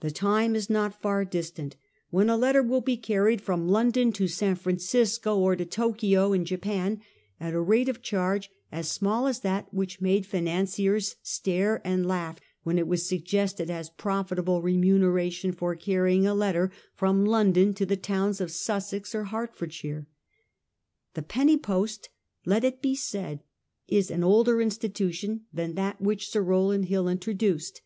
The time is not far distant when a letter will be carried 1810. THE OLD PENNY POST. 99 from London to San Francisco, or to Tokio in Japan, at a rate of cliarge as small as that which made financiers stare and laugh when it was sug gested as profitable remuneration for carrying a letter from London to the towns of Sussex or Hertford shire. The ' Penny Post/ let it he said, is an older institution than that which Sir Rowland Hill intro duced.